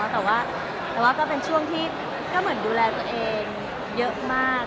แต่ว่าก็เป็นช่วงที่ก็เหมือนดูแลตัวเองเยอะมาก